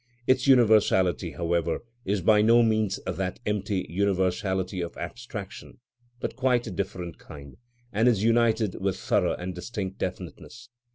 Its universality, however, is by no means that empty universality of abstraction, but quite of a different kind, and is united with thorough and distinct definiteness.